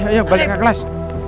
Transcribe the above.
ayo balik ke kelas